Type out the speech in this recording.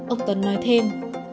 ông tuấn nói thêm